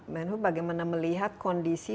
menhu bagaimana melihat kondisi